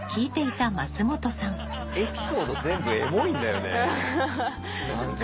エピソード全部エモいんだよね何か。